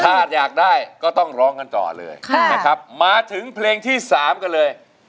ถ้าอยากได้ก็ต้องร้องกันต่อเลยนะครับมาถึงเพลงที่๓กันเลย